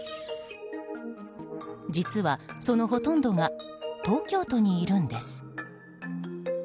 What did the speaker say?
実はそのほとんどが東京都にいるんです。